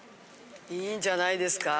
いいんじゃないですか。